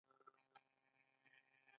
رحمان بابا څه ډول شاعر و؟